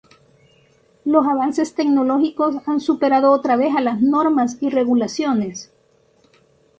Los avances tecnológicos han superado otra vez a las normas y regulaciones.